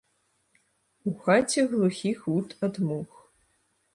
У хаце глухі гуд ад мух.